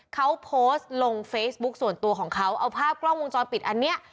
เขาโพสต์ลงเฟซบุ๊คส่วนตัวของเขาเอาภาพกล้องวงจรปิดอันเนี้ย